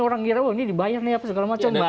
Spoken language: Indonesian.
orang ngira wah ini dibayar nih apa segala macem